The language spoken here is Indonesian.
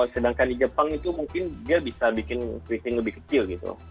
sedangkan di jepang itu mungkin dia bisa bikin keriting lebih kecil gitu